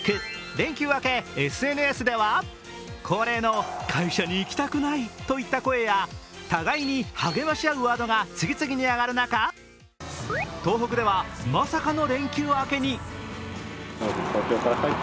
連休明け、ＳＮＳでは、恒例の会社に行きたくないといった声や互いに励まし合うワードが次々にあがる中、東北ではまさかの連休明けに。